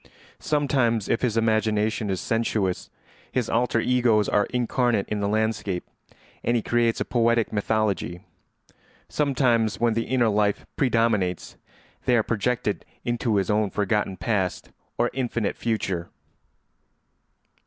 Sometimes, if his imagination is sensuous, his alter egos are incarnate in the landscape, and he creates a poetic mythology; sometimes, when the inner life predominates, they are projected into his own forgotten past or infinite future.